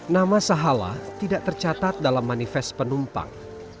nama sahala tidak tercatat dalam manifest penumpang